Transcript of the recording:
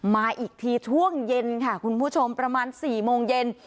มาอีกทีช่วงเย็นค่ะคุณผู้ชมประมาณ๔โมงเย็น